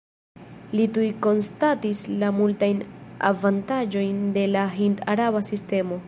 Li tuj konstatis la multajn avantaĝojn de la hind-araba sistemo.